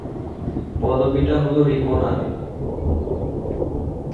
পদবিটা হল রিপনার।